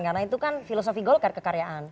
karena itu kan filosofi golkar kekaryaan